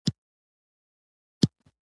وس ورکړ، تورکي بخارۍ اخلم.